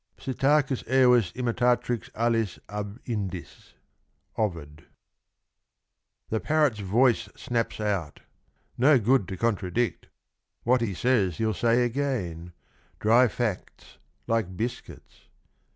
PSITTACHUS EOIS IMITATRIX ALES AB INDIS.'— Ovid. THE parrot's voice snaps out — No good to contradict — What he says he '11 say again : Dry facts, like biscuits.